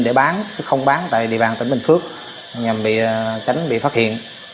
để bán không bán tại địa bàn tỉnh bình phước nhằm tránh bị phát hiện